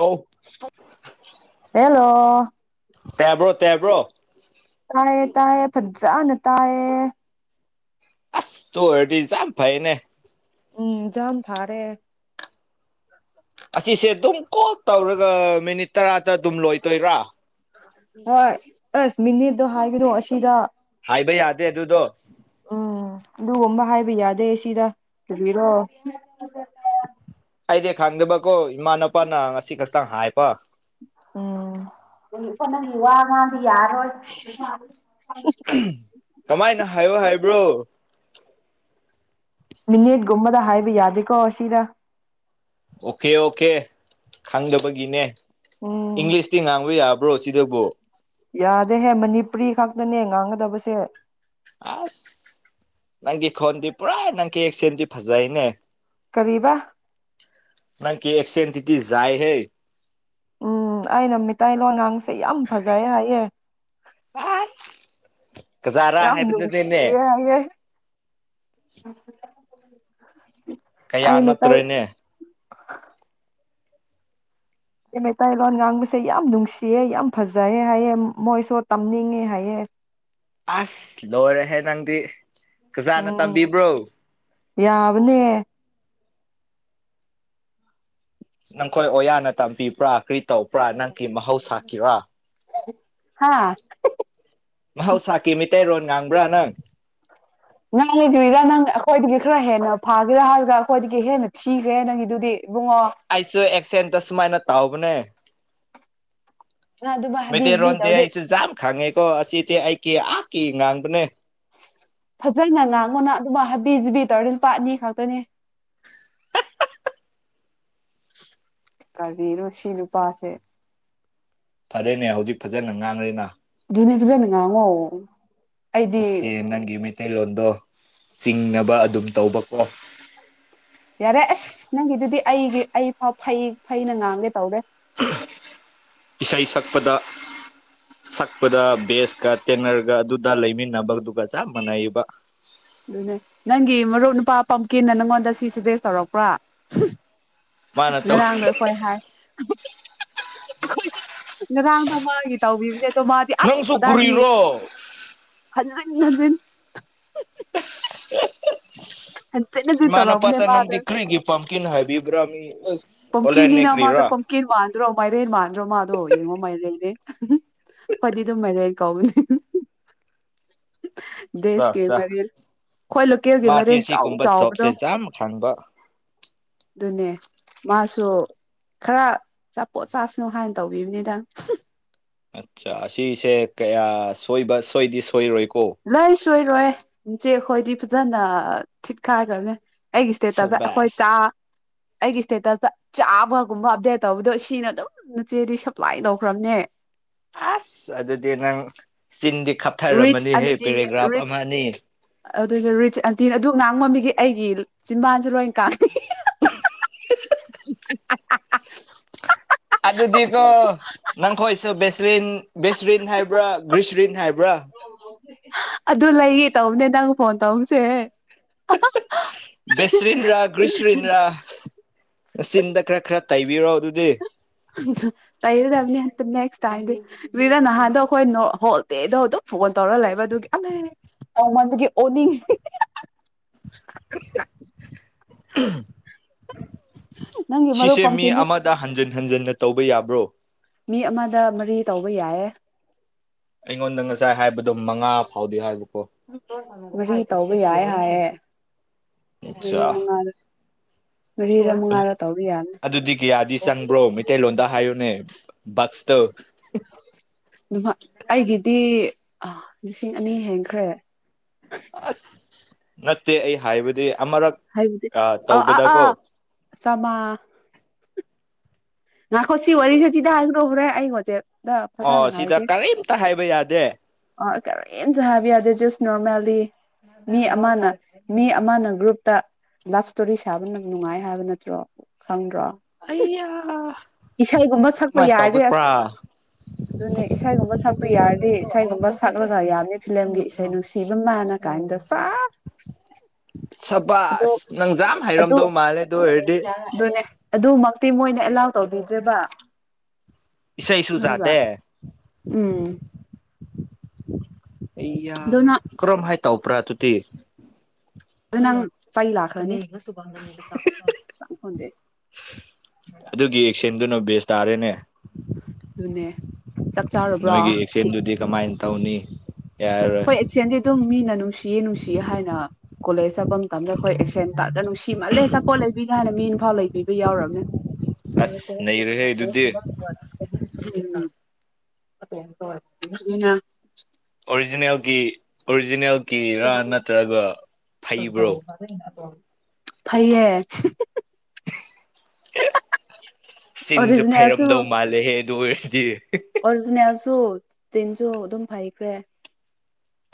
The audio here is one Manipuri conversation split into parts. ꯑ ꯑꯣ ꯇꯦꯕ꯭ꯔꯣ ꯇꯦꯕ꯭ꯔꯣ ꯇꯥꯏꯌꯦ ꯇꯥꯏꯌꯦ ꯐꯖꯖꯥꯅ ꯇꯌꯦ ꯑꯁ ꯇ ꯑꯗꯤ ꯆꯝ ꯐꯥꯏꯅꯦ ꯎꯝ ꯌꯥꯝꯝ ꯊꯥꯔꯦ ꯑꯁꯤꯁꯦ ꯑꯗꯨꯝ ꯀꯣꯜ ꯇꯧꯔꯒ ꯃꯤꯅꯤꯠ ꯇꯔꯥꯗ ꯑꯗꯨꯝ ꯂꯣꯏꯗꯣꯏꯔꯥ ꯍꯣꯏ ꯑꯁ ꯃꯤꯅꯦꯗꯣ ꯍꯥꯏꯒꯅꯣ ꯑꯁꯤꯗ ꯍꯥꯏꯕ ꯌꯥꯗꯦ ꯑꯗꯨꯗꯣ ꯎꯝ ꯑꯗꯨꯒꯨꯝꯕ ꯍꯥꯏꯕ ꯌꯥꯗꯦ ꯁꯤꯗ ꯊꯨꯕꯤꯔꯣ ꯑꯩꯗꯤ ꯈꯪꯗꯦꯕꯀꯣ ꯏꯃꯥꯅꯄꯥꯅ ꯉꯁꯤ ꯈꯛꯇꯪ ꯍꯥꯏꯄ ꯎꯝ ꯏ ꯅꯪ ꯏꯋꯥꯒꯗ ꯌꯥꯔꯣ ꯀꯃꯥꯏꯅ ꯍꯥꯏꯌꯣ ꯍꯥꯏꯕ꯭ꯔꯣ ꯃꯤ ꯨꯝꯃꯗ ꯍꯥꯏꯕ ꯌꯥꯗ ꯀꯣ ꯑꯁꯤ ꯑꯁꯤꯗ ꯑꯣꯀꯦ ꯑꯣꯀꯦ ꯈꯪꯗꯕꯒꯤꯅꯦ ꯎꯝ ꯏꯪꯂꯤꯁꯇꯤ ꯉꯥꯡꯕ ꯌꯥꯕꯥ ꯑꯣꯁꯤꯗꯕꯨꯣ ꯌꯥꯗꯦꯍꯦ ꯃꯅꯤꯄꯨꯔꯤ ꯈꯛꯇꯅꯦ ꯉꯥꯡꯒꯗꯕꯁꯦ ꯑꯁ ꯅꯪꯒꯤ ꯈꯣꯟꯗꯤ ꯄꯨꯔꯥ ꯅꯪ ꯀꯦꯛꯁꯗꯤ ꯐꯖꯩꯅꯦ ꯀꯔꯤꯕ ꯅꯪ ꯀ ꯑꯦꯁꯦꯟ ꯇꯤꯗꯤ ꯌꯥꯥꯏ ꯍꯦ ꯎꯝ ꯑꯩꯅ ꯃꯤꯇꯩꯇꯂꯣꯟꯣꯟꯍꯥꯡꯁꯦ ꯌꯥꯝ ꯐꯖꯩ ꯍꯥꯏꯌꯦꯦ ꯑꯁ ꯀꯖꯥꯔꯥ ꯌꯥꯝ ꯌꯥꯝ ꯅꯨꯡꯁꯤ ꯍꯥꯏꯕꯗꯨꯅꯤꯅꯦ ꯍꯥꯏꯒꯦ ꯀꯌꯥ ꯅꯠꯇ꯭ꯔꯣꯏꯅꯦ ꯑꯦ ꯃꯩꯇꯩꯂꯣꯟ ꯉꯥꯡꯕꯁꯦ ꯌꯥꯝ ꯅꯨꯡꯁꯤꯌꯦꯦ ꯌꯥꯝ ꯐꯖꯩꯑꯦ ꯍꯥꯏꯌꯦꯦ ꯃꯣꯏꯁꯨ ꯇꯝꯅꯤꯡꯉꯦ ꯍꯥꯏꯌꯦꯦ ꯑꯁ ꯂꯣꯏꯔꯦꯍꯦ ꯅꯪꯗꯤ ꯀꯖꯥꯅ ꯎꯝ ꯇꯝꯕꯤꯕ꯭ꯔꯣ ꯌꯥꯕꯅꯦ ꯅꯪꯈꯣꯏ ꯑꯣꯌꯥꯅ ꯇꯝꯕꯤꯕ꯭ꯔꯥ ꯀꯔꯤ ꯇꯧꯕ꯭ꯔꯥ ꯅꯪꯒꯤ ꯃꯍꯧ ꯁꯥꯥꯈꯤꯕꯔ ꯍꯥꯥ ꯃꯍꯧꯁꯥꯀꯤ ꯃꯤꯇꯩꯔꯣꯟ ꯉꯥꯡꯕ꯭ꯔꯥ ꯅꯪ ꯅꯪꯒꯤꯗꯨꯔꯤꯔ ꯅꯪ ꯑꯩꯈꯣꯏꯗꯒꯤ ꯈꯔ ꯍꯦꯟꯅ ꯐꯥꯒꯦꯔꯥ ꯍꯥꯏꯔꯒ ꯑꯩꯈꯣꯏꯗꯒꯤ ꯍꯦꯟꯅ ꯊꯤꯈ꯭ꯔꯦ ꯅꯪꯒꯤꯗꯨꯗꯤ ꯏꯕꯨꯡꯉꯣ ꯑꯩꯁꯨ ꯑꯦꯛꯁꯦꯟꯗ ꯁꯨꯃꯥꯏꯅ ꯇꯥꯎꯕꯅꯦ ꯅꯪ ꯑꯗꯨꯃꯥꯏ ꯍꯥꯕꯤ ꯖꯕꯤ ꯃꯩꯇꯩꯔꯣꯟꯗꯦ ꯇꯧꯔꯗꯤ ꯑꯩꯁꯨ ꯖ ꯈꯪꯉꯦꯀꯣ ꯑꯁꯤꯗꯤ ꯑꯩ ꯀꯦ ꯑꯥ ꯀꯦ ꯉꯥꯡꯕꯅꯦ ꯐꯖꯅ ꯉꯥꯡꯉꯣꯅ ꯑꯗꯨꯝ ꯍꯥꯏ ꯕꯤ ꯖꯤꯕꯤ ꯇꯧꯔꯗꯤꯝ ꯄꯥꯠꯅꯤ ꯈꯛꯇꯅꯦ ꯀꯕꯤꯔꯣꯁꯤ ꯅꯨꯨꯄꯥ ꯑꯁꯦ ꯐꯔꯦꯅꯦ ꯍꯧꯖꯤꯛ ꯐꯖꯅ ꯉꯥꯡꯅꯔꯤꯅ ꯅꯦꯕꯖꯅꯉꯥꯡ ꯑꯣꯀꯦꯦꯃꯦ ꯃꯩꯇꯩꯂꯣꯟꯗꯣ ꯆꯤꯡꯅꯕ ꯑꯗꯨꯝ ꯇꯧꯕꯀꯣ ꯌꯥꯔꯦ ꯑꯁ ꯅꯪꯒꯤꯗꯨꯗꯤ ꯑꯩꯒꯤ ꯑꯩ ꯐꯥꯎ ꯐꯩ ꯐꯩꯅ ꯉꯥꯡꯒꯦ ꯇꯧꯔꯦ ꯏꯁꯩ ꯁꯛꯄꯗ ꯁꯛꯄꯗ ꯕꯦꯁꯀ ꯇꯦꯅꯔꯒ ꯑꯗꯨꯗ ꯂꯩꯃꯤꯟꯅꯕꯗꯨꯒ ꯆꯞ ꯃꯥꯟꯅꯩꯕ ꯑꯗꯨꯅꯦ ꯅꯪꯒꯤ ꯃꯔꯨꯞ ꯅꯨꯄꯥ ꯄꯝꯀꯤꯟꯅ ꯅꯪꯉꯣꯟꯗ ꯁꯤ ꯁꯖꯦꯁ ꯇꯧꯔꯛꯄ꯭ꯔꯥ ꯃꯥꯅ ꯇꯧ ꯉꯔꯥꯡꯗꯣ ꯑꯩꯈꯣꯏ ꯍꯥꯏ ꯑꯩꯈꯣꯏꯁꯦ ꯉꯔꯥꯡ ꯅꯣꯡ ꯃꯥꯒꯤ ꯇꯥꯎꯕꯤꯕꯅꯦ ꯃꯥꯗꯤ ꯑꯁ ꯅꯪꯁꯨ ꯗꯗꯥꯗꯤ ꯀꯨꯔꯤꯔꯣ ꯍꯟꯖꯤꯟ ꯍꯟꯖꯤꯟ ꯍꯟꯖꯤꯟ ꯍꯟꯖꯤꯟ ꯏꯃꯅ ꯇꯧꯔꯛꯑꯕꯅꯦ ꯄꯥꯇ ꯃꯥꯗꯣ ꯅꯗꯤ ꯈꯩꯒꯤ ꯄꯥꯝ ꯀꯅ ꯍꯥꯏꯕ ꯕꯤꯕ꯭ꯔꯥꯝꯃꯤ ꯄꯝꯀꯤꯅꯤꯅ ꯃꯥꯣ ꯄꯝꯀꯤꯦꯟ ꯃꯥꯟꯗ꯭ꯔꯣ ꯃꯥꯏꯔꯦꯟ ꯃꯥꯟꯗ꯭ꯔꯣ ꯃꯥꯣ ꯑꯗꯣ ꯌꯦꯡꯉꯣ ꯃꯥꯏꯔ ꯂꯩꯅꯦ ꯐꯗꯤ ꯑꯗꯨꯝ ꯃꯥꯏꯔꯦ ꯀꯥꯎꯅꯦ ꯗꯦꯁ ꯆꯥ ꯀ ꯆꯥ ꯃꯔꯤꯜ ꯑꯩꯣꯏ ꯂꯣꯀꯦꯜꯒꯤ ꯃꯥꯗꯤ ꯃꯔꯦꯟ ꯆꯥꯎ ꯁꯤꯒꯨꯝꯕ ꯆꯥꯎꯕꯗꯣ ꯖꯣꯕꯁꯦ ꯌꯥꯝ ꯈꯪꯕ ꯑꯗꯨꯅꯦ ꯃꯥꯁꯨ ꯈꯔ ꯆꯥꯄꯣꯠ ꯆꯁꯅꯨ ꯍꯥꯏꯅ ꯇꯧꯕꯤꯕꯅꯤꯗ ꯑꯠꯆꯥ ꯑꯁꯤꯁꯦ ꯀꯌꯥ ꯁꯣꯏꯕ ꯁꯣꯏꯗꯤ ꯁꯣꯏꯔꯣꯏ ꯂꯩ ꯁꯣꯏꯔꯣꯏ ꯏꯆꯦ ꯑꯩꯈꯣꯏꯗꯤ ꯐꯖꯅ ꯊꯤꯠꯈꯥꯏꯈ꯭ꯔꯅꯦ ꯑꯩꯒꯤ ꯏꯁꯇꯦꯠꯇ ꯑꯩꯈꯣꯏ ꯆꯥ ꯁꯕꯥꯁ ꯑꯩꯒꯤ ꯏꯁꯇꯦꯇꯁꯇ ꯆꯥꯕꯒꯨꯝꯕ ꯑꯞꯗꯦꯠ ꯇꯧꯕꯗꯣ ꯁꯤꯅ ꯑꯗꯨꯝ ꯅꯆꯦꯗꯤ ꯁꯞꯄ꯭ꯂꯥꯏ ꯇꯧꯈ꯭ꯔꯕꯅꯦ ꯑꯁ ꯑꯗꯨꯗꯗꯤ ꯅꯪ ꯆꯤꯟꯗꯤ ꯔꯤꯁ ꯈꯞꯊꯔꯝꯃꯅꯤꯍꯦ ꯑꯟꯇꯤ ꯄꯦꯔꯦꯒ꯭ꯔꯥꯐ ꯔꯤꯁ ꯑꯃ ꯑꯅꯤ ꯑꯗꯨꯒ ꯔꯤꯆ ꯑꯟꯇꯤ ꯑꯗꯨ ꯉꯥꯡꯕꯝꯃꯤꯒꯤ ꯑꯩꯒꯤ ꯆꯤꯝꯕꯥꯟꯁ ꯂꯣꯏ ꯀꯥꯟ [unintelligible] ꯑꯗꯨꯗꯤꯀꯣ ꯅꯪꯈꯣꯏꯁꯨ ꯕꯦꯁꯂꯤꯟ ꯕꯦꯁꯔꯤꯟ ꯍꯥꯏꯕ꯭ꯔꯥ ꯭ꯒꯔꯤꯁꯔꯤꯟ ꯍꯥꯏꯕ꯭ꯔꯥ ꯑꯗꯨ ꯂꯩꯌꯦ ꯇꯧꯕꯅꯦ ꯅꯪ ꯐꯣꯟ ꯇꯧꯕꯁꯦ ꯕꯦꯁꯔꯤꯟ ꯔꯥ ꯒ꯭ꯔꯤꯁꯔꯤꯟ ꯔꯥ ꯅꯆꯤꯟꯗ ꯈꯔ ꯈꯔ ꯇꯩꯕꯤꯔꯣ ꯑꯗꯨꯗꯤ ꯇꯩꯔꯗꯕꯅꯤ ꯅꯦꯛꯁ ꯇꯥꯏꯗꯤ ꯔ ꯅꯍꯥꯟꯗꯣ ꯑꯩꯈꯣꯏ ꯅ ꯍꯣꯜꯗꯦꯗꯣ ꯐꯣꯟ ꯇꯧꯔ ꯂꯩꯕ ꯑꯗꯨꯒꯤꯃꯟꯗꯨꯒꯤ ꯑꯣꯅꯤꯡꯉꯤ [unintelligible] ꯅꯪꯒꯤ ꯃꯔꯨꯞ ꯁꯤꯁꯦ ꯃꯤ ꯄꯝꯀꯤꯟꯗꯤ ꯑꯃꯗ ꯍꯟꯖꯤꯟ ꯍꯟꯖꯤꯟꯅ ꯇꯧꯕ ꯌꯥꯕ꯭ꯔꯣ ꯃꯤ ꯑꯃꯗ ꯃꯔꯤ ꯇꯧꯕ ꯌꯥꯏꯦ ꯑꯩꯉꯣꯟꯗ ꯉꯁꯥꯏ ꯍꯥꯏꯕꯗꯣ ꯃꯉꯥ ꯐꯥꯎꯗꯤ ꯍꯥꯏꯕꯀꯣ ꯔꯤ ꯇꯧꯕ ꯌꯥꯏ ꯍꯥꯏꯑꯦ ꯃꯔꯤ ꯑꯠꯆꯥ ꯃꯉꯥꯗ ꯑꯗꯨꯗꯤ ꯀꯌꯥꯗꯤ ꯆꯪꯕ꯭ꯔꯣ ꯃꯩꯇꯩꯂꯣꯟꯗ ꯍꯥꯏꯌꯨꯅꯦ ꯕꯁꯛꯇꯣ ꯑꯩꯒꯤꯗꯤ ꯂꯤꯁꯤꯡ ꯑꯅꯤ ꯍꯦꯟꯈ꯭ꯔꯦ ꯑꯁ ꯅꯠꯇꯦ ꯑꯩ ꯍꯥꯏꯕꯗꯤ ꯑꯃꯔꯛ ꯇꯧꯕꯗꯀꯣ ꯆꯃꯥ ꯉꯥꯛꯈꯣ ꯁꯤ ꯋꯥꯔꯤꯁꯦ ꯁꯤꯗ ꯍꯥꯏꯔꯛꯎꯨꯔꯦ [inaudible] ꯑꯩꯉꯣꯁꯦ [inaudible] ꯗ ꯐꯖꯅ ꯑꯣ ꯁꯤꯗ ꯍꯥꯏꯒꯦ ꯀꯔꯤꯝꯇ ꯍꯥꯏꯕ ꯌꯥꯗꯦ ꯑ ꯀꯔꯤꯝꯇ ꯍꯥꯏꯕ ꯌꯥꯗꯦ ꯖꯁ ꯅꯣꯔꯃꯦꯜꯂꯤ ꯃꯤ ꯑꯃꯅ ꯃꯤ ꯑꯃꯅ ꯒ꯭ꯔꯨꯞꯇ ꯂꯞ ꯏꯁꯇꯣꯔꯤ ꯁꯥꯕꯅ ꯅꯨꯡꯉꯥꯏ ꯍꯥꯏꯕ ꯅꯠꯇ꯭ꯔꯣ ꯈꯪꯗ꯭ꯔꯣ ꯑꯌꯥ ꯏꯁꯩꯒꯨꯝꯕ ꯁꯛꯄ ꯌꯥꯔꯗꯦ ꯑꯁ ꯑꯗꯨꯅꯦ ꯏꯁꯩꯒꯨꯝꯕ ꯁꯛꯄ ꯌꯥꯔꯗꯤ ꯏꯁꯩꯒꯨꯝꯕ ꯁꯛꯂꯒ ꯌꯥꯝꯅꯤ ꯐꯤꯂꯝꯒꯤ ꯏꯁꯩ ꯅꯨꯡꯁꯤꯕ ꯃꯥꯥꯟꯅ ꯀꯥꯏꯅ ꯑꯗꯨ ꯁꯕꯥꯁ ꯅꯪꯖꯥꯝ ꯑꯗꯨ ꯍꯩꯔꯝꯗꯧ ꯃꯥꯜꯂꯦ ꯑꯗꯨ ꯑꯣꯏꯔꯗꯤ ꯗꯨꯅꯦ ꯑꯗꯨꯃꯛꯇꯤ ꯃꯣꯏꯅ ꯑꯦꯂꯥꯎ ꯇꯧꯕꯤꯗ꯭ꯔꯦꯕ ꯏꯁꯩꯁꯨ ꯍꯖ ꯆꯥꯗꯦ [inaudible] ꯎꯝ ꯑꯩꯌꯥ ꯑꯗꯨ ꯅꯪ ꯀꯔꯝ ꯍꯥꯏ ꯇꯧꯕ꯭ꯔꯥ ꯑꯗꯨꯗꯤ ꯑꯗꯨ ꯅꯪ ꯆꯩ ꯂꯥꯛꯈ꯭ꯔꯅꯤ ꯑꯗꯨꯒꯤ ꯑꯦꯛꯁꯦꯟꯗꯨꯅ ꯕꯦꯁ ꯇꯥꯔꯦꯅꯦ ꯑꯗꯨꯅꯦ ꯆꯥꯛ ꯆꯥꯔꯕ꯭ꯔꯥ ꯅꯣꯏꯒꯤ ꯑꯦꯛꯁꯦꯟꯗꯨꯗꯤ ꯀꯃꯥꯏꯅ ꯇꯧꯅꯤ ꯌꯥꯔꯔꯣꯏ ꯍꯣꯏ ꯆꯦꯟꯗꯤ ꯑꯗꯨꯝ ꯃꯤꯅ ꯅꯨꯡꯁꯤꯌꯦ ꯅꯨꯡꯁꯤꯌꯦ ꯍꯥꯏꯅ ꯀꯣꯂꯦꯖ ꯆꯠꯄ ꯃꯇꯝꯗ ꯈꯣꯏ ꯑꯦꯛꯁꯦꯟ ꯇꯧꯔ [inaudible] ꯅꯨꯡꯁꯤꯃꯜꯂꯦ ꯆꯞꯄꯣꯠ ꯂꯩꯕꯤꯒꯥꯏꯅ ꯃꯤꯅ ꯏꯝꯐꯥꯎ ꯂꯩꯕꯤꯕ ꯌꯥꯎꯝ ꯑꯁ ꯅꯩꯔꯦꯍꯦ ꯑꯗꯨꯗꯤ ꯑ ꯑꯣꯔꯤꯖꯤꯅꯦꯜꯒꯤ ꯑꯣꯔꯤꯖꯤꯅꯦꯜꯒꯤꯔꯥ ꯅꯠꯇ꯭ꯔꯒ ꯐꯩꯕ꯭ꯔꯣ ꯐꯩꯌꯦ ꯆꯤꯟꯁꯨ ꯐꯩꯔꯝꯗꯧ ꯃꯥꯜꯂꯦꯍꯦ ꯑꯗꯨ ꯑꯣꯏꯔꯗꯤ ꯑꯣꯔꯖꯤꯅꯦꯁꯨ ꯆꯤꯟꯁꯨ ꯑꯗꯨꯝ ꯐꯩꯈ꯭ꯔꯦ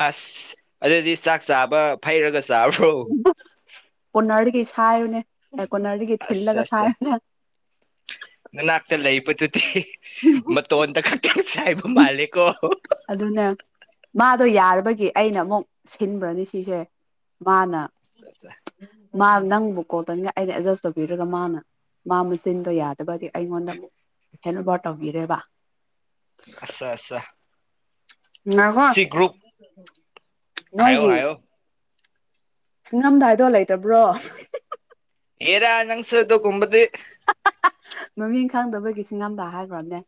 ꯑꯁ ꯑꯗꯨꯗꯤ ꯆꯥꯛ ꯆꯥꯕ ꯐꯩꯔꯒ ꯆꯥꯕ꯭ꯔꯣ ꯀꯣꯅꯔꯒ ꯁꯣꯅꯦ ꯀꯣꯟꯅꯔꯤꯒ ꯑꯁ ꯊꯤꯜꯂꯒ ꯑꯁ ꯁꯥꯏꯅꯦ ꯅꯅꯥꯛꯇ ꯂꯩꯕꯗꯨꯗꯤ ꯃꯇꯣꯟꯗ ꯈꯛꯇꯪ ꯆꯥꯏꯕ ꯃꯥꯜꯂꯦꯀꯣ ꯑꯗꯨ ꯑꯗꯨꯅ ꯃꯥꯗꯣ ꯌꯥꯔꯕꯒꯤ ꯑꯩꯅ ꯑꯃꯨꯛ ꯁꯤꯟꯕ꯭ꯔꯅꯤ ꯁꯤꯁꯦ ꯃꯥꯅ ꯑꯠꯆꯥ ꯃꯥ ꯅꯪꯕꯨ ꯀꯣꯇꯅꯤꯒ ꯑꯩꯅ ꯑꯦꯗꯖꯁ ꯇꯧꯕꯤꯔꯒ ꯃꯥꯅ ꯃꯥ ꯃꯆꯤꯟꯗꯣ ꯌꯥꯗꯕꯗꯤ ꯑꯩꯉꯣꯟꯗ ꯑꯃꯨꯛ ꯍꯦꯟ ꯑꯣꯚꯔ ꯇꯧꯕꯤꯔꯦꯕ ꯑꯆꯥ ꯑꯁ ꯀꯣ ꯍꯥꯏꯣ ꯍꯥꯏꯣ ꯁꯤꯉꯝꯗꯥꯏꯗꯣ ꯂꯩꯇꯕ꯭ꯔꯣ ꯌꯦꯔ ꯅꯪꯁ ꯇꯣ ꯀꯨꯝꯕꯗꯤ ꯃꯃꯤꯡ ꯈꯪꯗꯕꯒꯤ ꯁꯤꯡꯉꯝꯗ ꯍꯥꯏꯈ꯭ꯔꯣꯕꯅꯦ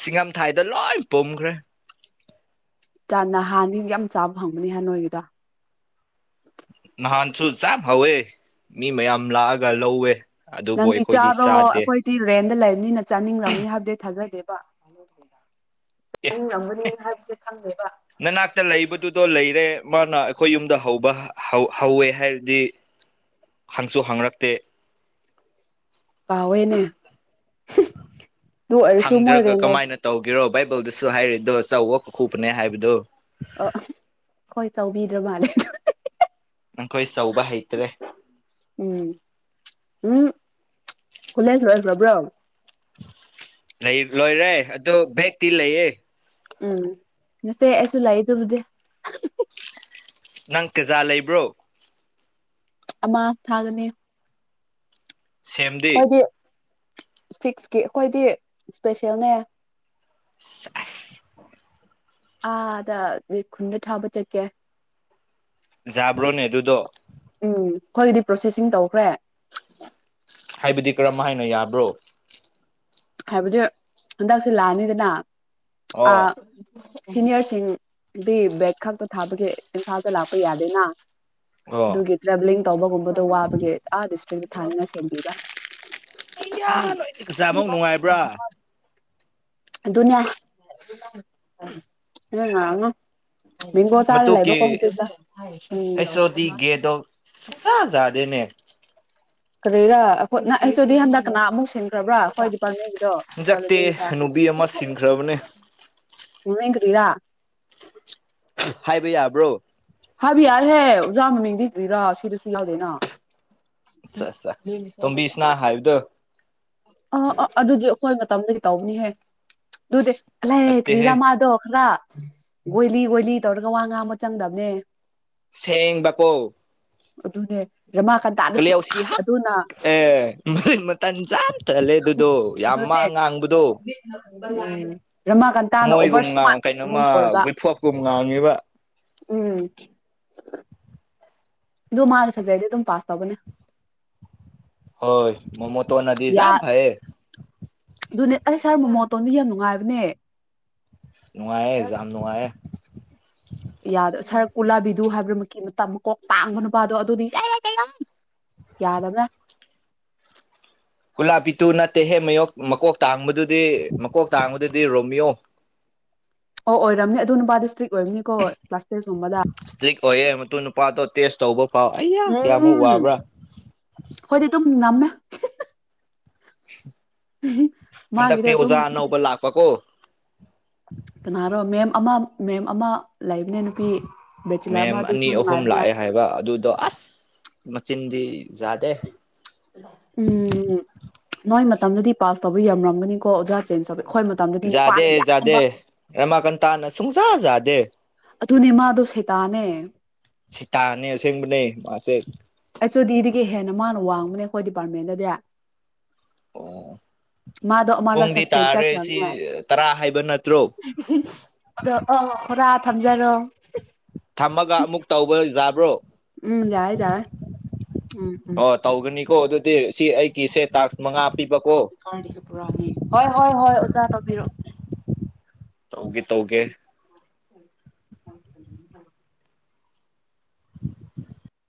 ꯁꯤꯡꯉꯝꯊꯥꯏꯗ ꯂꯣꯏ ꯄꯣꯝꯈ꯭ꯔꯦ ꯍꯥꯟꯅꯤ ꯌꯥꯝ ꯆꯥꯕ ꯐꯪꯕꯅꯤꯍꯥꯟ ꯅꯣꯏꯒꯤꯗ ꯅꯍꯥꯟꯁꯨ ꯆ ꯍꯧꯋꯦ ꯃꯤ ꯃꯌꯥꯝ ꯂꯥꯛꯑꯒ ꯂꯧꯋꯦ ꯑꯗꯨꯕꯨ ꯅꯪꯗꯤ ꯑꯩꯈꯣꯏꯗꯤ ꯆꯥꯔꯣ ꯆꯥꯗꯦ ꯑꯩꯈꯣꯏꯗꯤꯤꯔꯦ ꯂꯩꯕꯅꯤꯅ ꯆꯥꯅꯤꯡꯔꯝꯒꯅꯤ ꯍꯥꯏꯕꯗꯤ ꯊꯥꯖꯗꯦꯕ ꯑꯦ ꯆꯥꯅꯤꯡꯔꯝꯒꯅꯤ ꯍꯥꯏꯕꯁꯦ ꯅꯅꯥꯛꯇ ꯂꯩꯕꯗꯨꯗꯣ ꯂꯩꯔꯦ ꯃꯥꯅ ꯑꯩꯈꯣꯏ ꯌꯨꯝꯗ ꯍꯧꯕ ꯍꯧꯋꯦ ꯍꯥꯏꯔꯗꯤ ꯍꯪꯁꯨ ꯍꯪꯉꯛꯇꯦ ꯀꯑꯣꯣꯏꯅꯦ ꯍꯪꯗ꯭ꯔꯒ ꯀꯃꯥꯏꯅ ꯇꯧꯒꯦꯔꯣ ꯕꯥꯏꯕꯜꯗꯨꯁꯨ ꯍꯥꯏꯔꯤꯗꯣ ꯑꯆꯧꯕ ꯈꯨꯄꯅꯦ ꯍꯥꯏꯕꯗꯨꯣ ꯑ ꯍꯣꯏ ꯆꯥꯎꯕꯤꯗ꯭ꯔꯣ ꯃꯥꯜꯂꯦ ꯅꯈꯣꯏ ꯆꯧꯕ ꯍꯩꯇ꯭ꯔꯦ ꯎꯝ ꯎꯝ ꯈꯂꯥꯏꯁꯨ ꯄꯨꯔ ꯄꯨ꯭ꯔꯣ ꯂꯩ ꯂꯣꯏꯔꯦ ꯑꯗꯨ ꯕꯦꯛꯇꯤ ꯂꯩꯌꯦ ꯎꯝ ꯅꯁꯦ ꯑꯁ ꯂꯥꯏ ꯇꯕꯨꯗꯤꯦ ꯅꯪ ꯀꯖꯥ ꯂꯩꯕ꯭ꯔꯣ ꯑꯃꯥ ꯊꯥꯒꯅꯤ ꯁꯦꯝꯗꯤ ꯁꯤꯛꯁꯀꯤ ꯑꯩꯈꯣꯏꯗꯤ ꯏꯁꯄꯦꯁꯦꯜꯅꯦ ꯑꯁ ꯑꯥꯗ ꯅꯣꯏ ꯈꯨꯟꯗ ꯊꯥꯕ ꯆꯠꯀꯦ ꯖꯥꯕ꯭ꯔꯣꯅꯦ ꯑꯗꯨꯗꯣ ꯎꯝ ꯑꯩꯈꯣꯏꯒꯤꯗꯤ ꯄ꯭ꯔꯣꯁꯦꯁꯤꯡ ꯇꯧꯈ꯭ꯔꯦ ꯍꯥꯏꯕꯗꯤ ꯀꯔꯝ ꯍꯥꯏꯅ ꯌꯥꯕ꯭ꯔꯣ ꯍꯥꯏꯕꯗꯤ ꯍꯟꯗꯛꯁꯦ ꯂꯥꯛꯑꯅꯤꯗꯅ ꯑ ꯑꯣ ꯁꯤꯅꯤꯌꯔꯁꯤꯡꯗꯤ ꯕꯦꯛ ꯈꯛꯇ ꯊꯥꯕꯒꯤ ꯏꯝꯐꯥꯜꯗ ꯂꯥꯛꯄ ꯌꯥꯗꯦꯅꯥ ꯑꯣ ꯗꯨꯒꯤ ꯇ꯭ꯔꯑꯦꯕꯂꯤꯡ ꯇꯧꯕꯒꯨꯝꯕꯗꯣ ꯋꯥꯕꯒꯤ ꯑꯥ ꯗꯤꯁꯇ꯭ꯔꯤꯛꯇ ꯊꯥꯅꯤꯅ ꯁꯦꯝꯕꯤꯕ ꯑꯣꯖꯥꯕꯧ ꯅꯨꯡꯉꯥꯏꯕ꯭ꯔꯥ ꯑꯗꯨꯅ [unintelligible] ꯃꯦꯡꯒꯣ ꯆꯥꯔ ꯂꯩꯕ ꯃꯇꯨꯀꯤ ꯍꯩꯁ ꯑꯣ ꯗꯤ ꯒꯦꯗꯣ [unintelligible] [unintelligible] ꯀꯔꯤꯔꯥ ꯑꯩꯈꯣꯏ ꯅ ꯑꯩꯁꯨꯗꯤ ꯍꯟꯗꯛ ꯀꯅꯥ ꯑꯃꯨꯛ ꯁꯤꯟꯈ꯭ꯔꯕꯔ꯭ꯥ ꯑꯈꯣꯏ ꯗꯤꯄꯥꯔꯠꯃꯦꯟꯒꯤ ꯍꯟꯗꯛꯇꯤ ꯅꯨꯄꯤ ꯑꯃ ꯁꯤꯟꯈ꯭ꯔꯕꯅꯦ [unintelligible] [unintelligible] ꯍꯥꯏꯕ ꯌꯥꯕ꯭ꯔꯣ ꯍꯥꯏꯕ ꯌꯥꯏꯍꯦ ꯑꯣꯖꯥ ꯃꯃꯤꯡꯗꯤ ꯀꯔ꯭ꯤ ꯔꯥ ꯁꯤꯗꯁꯨ ꯌꯥꯎꯗꯦꯅꯥ ꯑꯠꯆꯥ ꯑꯠꯆꯥ ꯇꯣꯝꯕꯤꯁꯅꯥ ꯍꯥꯏꯕꯗꯣ ꯑ ꯑ ꯑꯗꯨꯗꯤ ꯑꯈꯣꯏ ꯃ ꯇꯝꯗꯒꯤ ꯇꯧꯕꯅꯤꯍꯦ ꯑꯗꯨꯗꯤ [unintelligible] ꯅꯠꯇꯦꯍꯦ ꯀ꯭ꯔꯤꯔꯥ ꯃꯥꯗꯣ ꯈꯔ ꯑꯣꯏꯂꯤ ꯑꯣꯏꯂꯤ ꯇꯧꯔꯒ ꯋꯥ ꯉꯥꯡꯕ ꯆꯪꯗꯕꯅꯦ ꯁꯦꯡꯕꯀꯣ ꯑꯗꯨꯅꯦ ꯔꯃꯥ ꯀꯥꯟꯇꯥꯗꯁꯨ ꯌꯥꯝ ꯀꯂꯦꯎꯁꯤ ꯍꯛ ꯑꯗꯨꯅ ꯑꯦ ꯃꯜ ꯃꯇꯟ ꯆꯥ ꯇꯜꯂꯦ ꯑꯗꯨꯗꯣ ꯌꯥꯝ ꯃꯥ ꯑꯗꯨꯅꯦ ꯉꯥꯡꯕꯗꯣ ꯎꯝ ꯔꯃꯥꯀꯟꯇꯥꯅ ꯑꯣꯚꯔ ꯍꯪꯉꯣꯏꯒꯨꯝ ꯏꯁꯃꯥꯔꯠ ꯑꯗꯨꯝ ꯀꯩꯅꯣꯃ ꯑꯣꯏꯕ [unintelligible] ꯐꯣꯞꯀꯨꯝ ꯉꯥꯡꯉꯤꯕ ꯎꯝ ꯑꯗꯣ ꯃꯥꯒꯤ ꯁꯕꯖꯦꯛꯗꯤ ꯑꯗꯨꯝ ꯄꯥꯁ ꯇꯧꯕꯅꯦ ꯍꯣꯏ ꯃꯣꯃꯣꯇꯣꯅꯗꯤ ꯌꯥ [unintelligible] ꯐꯥꯏꯌꯦ ꯑꯗꯨꯅꯦ ꯑꯩ ꯁꯥꯔ ꯃꯣꯃꯣꯇꯣꯟꯗꯤ ꯌꯥꯝ ꯅꯨꯡꯉꯥꯏꯕꯅꯦ ꯅꯨꯡꯉꯥꯏꯌꯦ ꯖꯥꯝ ꯅꯨꯡꯉꯥꯏꯌꯦ ꯌꯥꯗꯣ ꯁꯥꯔ ꯀꯨꯂꯥꯕꯤꯗꯨ ꯍꯥꯏꯕꯔꯥ ꯃꯛꯀꯤ ꯃꯇꯝ ꯃ ꯀꯣꯛ ꯇꯥꯡꯕ ꯅꯨꯄꯥꯗꯣ ꯑꯗꯨꯗꯤ [unintelligible] ꯌꯥꯗꯕꯔꯥ [inaudible] ꯀꯨꯂꯥꯞ ꯄꯤꯇꯨ ꯅꯠꯇꯦꯍꯦ ꯃꯌꯣꯛ ꯃꯀꯣꯛ ꯇꯥꯡꯕꯗꯨꯗꯤ ꯃꯀꯣꯛ ꯇꯥꯡꯕꯗꯨꯗꯤ ꯔꯣꯃꯤꯌꯣ [inaudible] ꯑꯣ ꯑꯣꯏꯔꯝꯅꯤ ꯑꯗꯨ ꯅꯨꯄꯥꯗꯣ ꯁꯇ꯭ꯔꯤꯛ ꯑꯣꯏꯔꯝꯅꯤꯀꯣ ꯀ꯭ꯂꯥꯁ ꯇꯦꯁ ꯒꯨꯝꯕꯗ ꯏꯁꯇ꯭ꯔꯤꯛ ꯑꯣꯏꯌꯦ ꯃꯇꯨ ꯅꯨꯄꯥꯗꯣ ꯇꯦꯁ ꯇꯧꯕ ꯐꯥꯎ ꯑꯩꯌꯥ ꯀꯌꯥꯃꯨꯛ ꯋꯥꯕ꯭ꯔꯥ ꯅꯝꯃꯦ ꯍꯟꯗꯛꯇꯤ ꯑꯗꯨꯝ ꯑꯣꯖꯥ ꯑꯅꯧꯕ ꯂꯥꯛꯄꯀꯣ ꯀꯅꯥꯔꯣ ꯃꯦꯝ ꯑꯃ ꯃꯦꯝ ꯑꯃ ꯂꯩꯕꯅꯦ ꯅꯨꯄꯤ ꯕꯦꯆꯤꯂꯔ ꯑꯃ ꯃꯦꯝ ꯑꯗꯨꯁꯨ ꯑꯅꯤ ꯑꯍꯨꯝ ꯅꯨꯡꯉꯥꯏꯕꯅꯦ ꯂꯥꯛꯑꯦ ꯍꯥꯏꯕ ꯑꯗꯨꯗꯣ ꯑꯁ ꯃꯆꯤꯟꯗꯤ ꯖꯥꯗꯦ ꯎꯝ ꯅꯣꯏ ꯃꯇꯝꯗꯗꯤ ꯄꯥꯁ ꯇꯧꯕ ꯌꯥꯝꯔꯝꯒꯅꯤꯀꯣ ꯑꯣꯖꯥ ꯆꯦꯟ [unintelligible] ꯖꯥꯗꯦ ꯖꯥꯗꯦ ꯔꯃꯀꯥꯟꯇꯅ ꯁꯨꯡꯖꯥ ꯖꯥꯗꯦ ꯑꯗꯨꯅꯦ ꯃꯥꯗꯣ ꯁꯩꯇꯥꯅꯦ ꯁꯩꯇꯥꯟꯅꯤ ꯑꯁꯦꯡꯕꯅꯦ ꯃꯥꯁꯦ [unintelligible] ꯍꯦꯟꯅ ꯃꯥꯅ ꯋꯥꯡꯕꯅꯦ ꯑꯩꯈꯣꯏ ꯗꯤꯄꯥꯔꯠꯃꯦꯟꯗꯗꯤ ꯑꯣ ꯃꯥꯗ ꯑꯜꯂ ꯄꯨꯡꯗꯤ ꯁꯥꯁꯄꯦꯟꯁ ꯇꯥꯔꯦ ꯀ ꯁꯤ ꯆꯅꯦ ꯇꯔꯥ ꯍꯥꯏꯕ ꯅꯠꯇ꯭ꯔꯣ ꯈꯔꯥ ꯊꯝꯖꯔꯣ ꯊꯝꯃꯒ ꯑꯃꯨꯛ ꯇꯧꯕ ꯌꯥꯕ꯭ꯔꯣ ꯎꯝ ꯌꯥꯏ ꯌꯥꯏ ꯎꯝ ꯎꯝ ꯀꯣ ꯑꯗꯨꯗꯤ ꯁꯤ ꯑꯩꯒꯤꯁꯦ ꯇꯥꯛ ꯥꯅꯤ ꯍ ꯍꯣꯏ ꯍꯣꯏ ꯑꯣꯖꯥ ꯇꯕꯤꯔ ꯇꯧꯒꯦ ꯇꯧꯒꯦ [inaudible] ꯎ